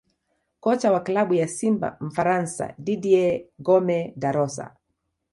Kocha wa klabu ya Simba Mfaransa Didier Gomes Da Rosa